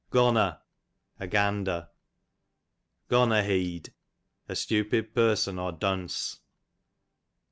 Gonner, a gander. Gonnerheead, a stupid person or dunce.